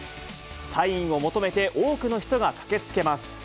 サインを求めて多くの人が駆けつけます。